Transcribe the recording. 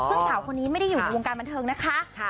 ซึ่งสาวคนนี้ไม่ได้อยู่ในวงการบันเทิงนะคะ